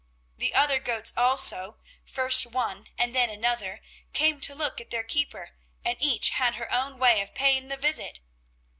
The other goats also, first one and then another, came to look at their keeper and each had her own way of paying the visit.